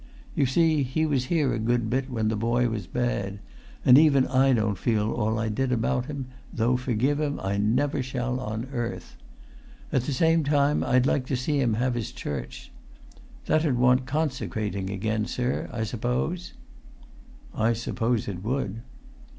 You see, he was here a good bit when the boy was bad, and even I don't feel all I did about him, though forgive him I never shall on earth. At the same time I'd like to see him have his church. That'd want consecrating again, sir, I suppose?" "I suppose it would."